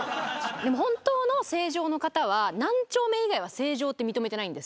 でも本当の成城の方は何丁目以外は成城って認めてないんですって。